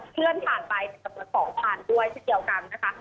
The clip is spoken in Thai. เพื่อนผ่านไปกับรถของผ่านด้วยเช่นเดียวกันนะคะ